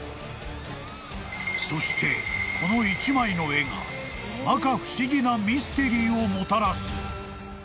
［そしてこの一枚の絵がまか不思議なミステリーをもたらす］